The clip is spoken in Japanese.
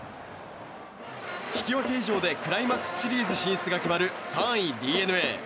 引き分け以上でクライマックスシリーズ進出が決まる、３位ＤｅＮＡ。